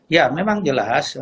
ya memang jelas